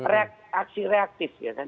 reaksi reaktif ya kan